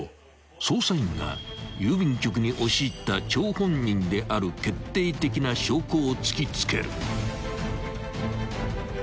［捜査員が郵便局に押し入った張本人である決定的な証拠を突き付ける］